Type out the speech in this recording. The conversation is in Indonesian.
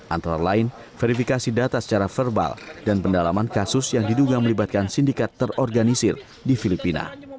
antara lain verifikasi data secara verbal dan pendalaman kasus yang diduga melibatkan sindikat terorganisir di filipina